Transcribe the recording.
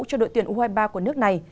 cho đội tuyển u hai mươi ba của nước này